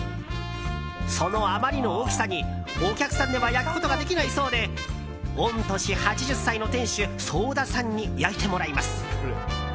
そのあまりの大きさにお客さんでは焼くことができないそうで御年８０歳の店主惣田さんに焼いてもらいます。